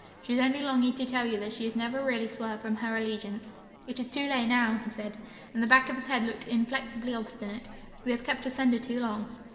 She is only longing to tell you that she has never really swerved from her allegiance.' 'It is too late now,' he said, and the back of his head looked inflexibly obstinate; 'we have kept asunder too long.'